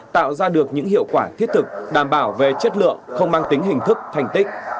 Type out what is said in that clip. tạo ra được những hiệu quả thiết thực đảm bảo về chất lượng không mang tính hình thức thành tích